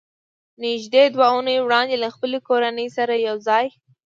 نږدې دوه اوونۍ وړاندې له خپلې کورنۍ سره یو ځای